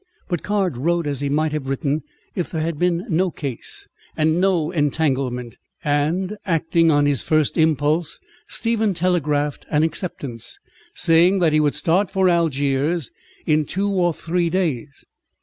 But Caird wrote as he might have written if there had been no case, and no entanglement; and acting on his first impulse, Stephen telegraphed an acceptance, saying that he would start for Algiers in two or three days.